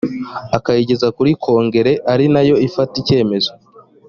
akayigeza kuri kongere ari nayo ifata icyemezo